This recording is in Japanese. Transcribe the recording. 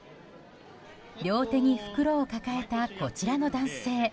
両手に袋を抱えたこちらの男性。